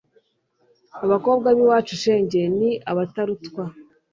abakobwa b'iwacu shenge ni abatarutwa